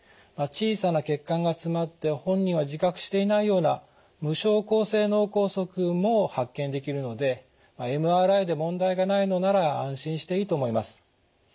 小さな血管が詰まって本人は自覚していないような無症候性脳梗塞も発見できるのでＭＲＩで問題がないのなら安心していいと思います。